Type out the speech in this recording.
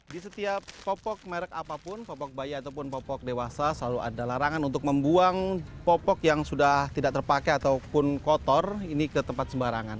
di setiap popok merek apapun popok bayi ataupun popok dewasa selalu ada larangan untuk membuang popok yang sudah tidak terpakai ataupun kotor ini ke tempat sembarangan